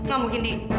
gak mungkin di